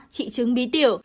một mươi ba trị trứng bí tiểu